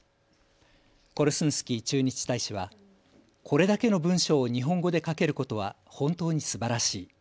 コルスンスキー駐日大使はこれだけの文章を日本語で書けることは本当にすばらしい。